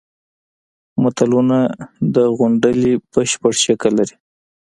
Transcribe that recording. متلونه د غونډلې بشپړ شکل لري